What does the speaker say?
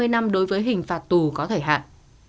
hai mươi năm đối với hình phạt tù có thời hạn